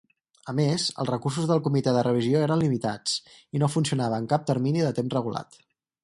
A més, els recursos del comitè de revisió eren limitats i no funcionava en cap termini de temps regulat.